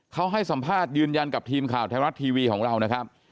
เขาให้สัมภาษณ์ยืนยันกับทีมข่าวไทยรัฐทีวีของเรานะครับ